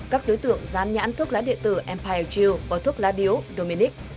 các đối tượng dán nhãn thuốc lá điện tử empire jill và thuốc lá điếu dominic